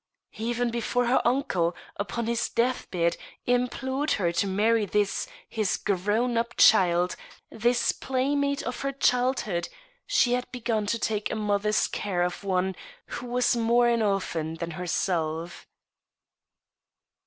Even before her uncle, upon his death bed, implored her to marry this, his grown up child, this playmate of her childhood, she had begun to take a mother's care of one who was more an orphan than herself.